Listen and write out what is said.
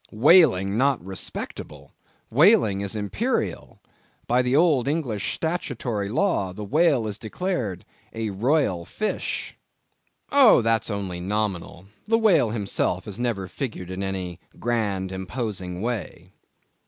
Whaling not respectable? Whaling is imperial! By old English statutory law, the whale is declared "a royal fish." * Oh, that's only nominal! The whale himself has never figured in any grand imposing way.